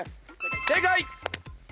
正解！